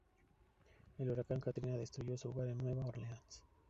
El huracán Katrina destruyó su hogar en Nueva Orleans.